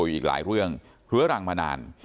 ทอบคลัวอีกหลายเรื่องเหลือรังมานาน